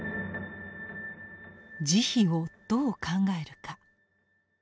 「慈悲」をどう考えるか。